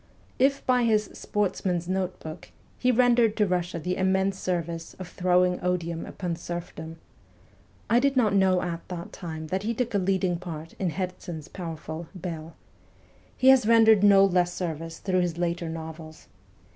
If by his ' Sportsman's Notebook ' he rendered to Russia the immense service of throwing odium upon serfdom (I did not know at that time that he took a leading part in Herzen's powerful ' Bell '), he has rendered no less service through his later novels.